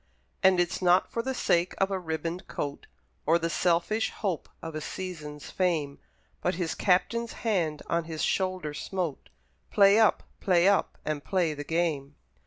And it's not for the sake of a ribboned coat, Or the selfish hope of a season's fame, But his Captain's hand on his shoulder smote "Play up! play up! and play the game!"